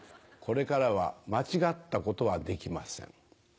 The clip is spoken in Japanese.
これからは間違ったことはできません。